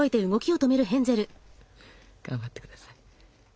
頑張ってください。